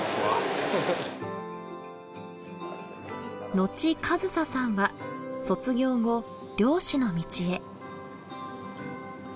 野地一颯さんは卒業後漁師の道へ。